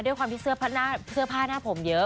ด้วยเสื้อผ้าหน้าผมเยอะ